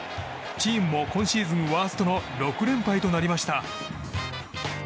チームも今シーズンワーストの６連敗となりました。